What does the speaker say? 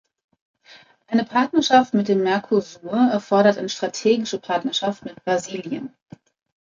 Eine Partnerschaft mit dem Mercosur erfordert eine strategische Partnerschaft mit Brasilien.